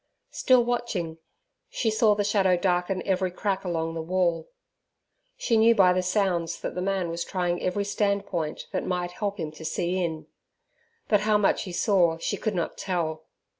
Still watching, she saw the shadow darken every crack along the wall. She knew by the sounds that the man was trying every standpoint that might help him to see in; but how much he saw she could not tell.